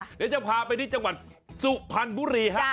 อันนี้จะพาไปที่จังหวัดสุพรรณบุรี